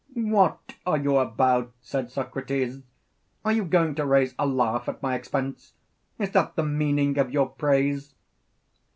What are you about? said Socrates; are you going to raise a laugh at my expense? Is that the meaning of your praise?